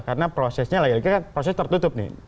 karena prosesnya proses tertutup nih